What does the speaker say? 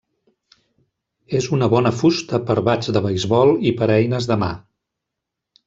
És una bona fusta per bats de beisbol i per a eines de mà.